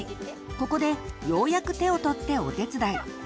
ここでようやく手を取ってお手伝い。